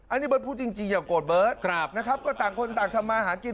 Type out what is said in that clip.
อันนี้เบิร์ตพูดจริงอย่าโกรธเบิร์ตนะครับก็ต่างคนต่างทำมาหากิน